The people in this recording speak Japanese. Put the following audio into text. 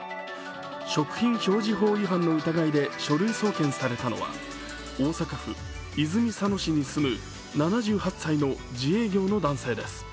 食品表示法違反の疑いで書類送検されたのは、大阪府泉佐野市に住む７８歳の自営業の男性です。